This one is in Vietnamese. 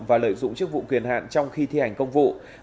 và lợi dụng chức vụ quyền hạn trong khi thi hành công vụ